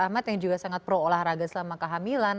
ahmad yang juga sangat pro olahraga selama kehamilan